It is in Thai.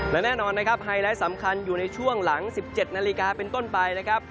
และแน่นอนนะครับไฮไลท์สำคัญอยู่ในช่วงหลัง๑๗นาฬิกาเป็นต้นไปนะครับ